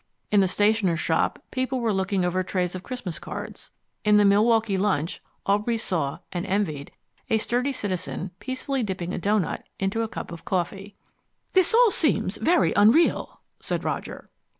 In the stationer's shop people were looking over trays of Christmas cards. In the Milwaukee Lunch Aubrey saw (and envied) a sturdy citizen peacefully dipping a doughnut into a cup of coffee. "This all seems very unreal," said Roger.